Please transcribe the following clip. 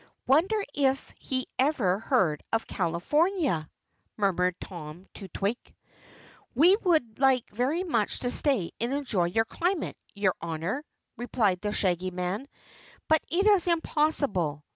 "Wonder if he ever heard of California?" murmured Tom to Twink. "We would like very much to stay and enjoy your climate, your Honor," replied the Shaggy Man, "but it is impossible.